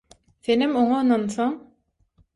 Senem oňa ynansaň...